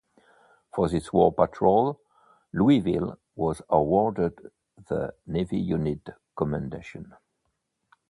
For this war patrol, "Louisville" was awarded the Navy Unit Commendation.